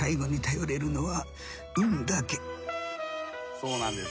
そうなんです。